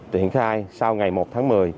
tuyển khai sau ngày một tháng một mươi